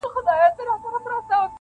بله ډله وايي سخت فهم دی,